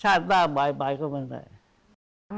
ชาติหน้าหมายก็ไม่ได้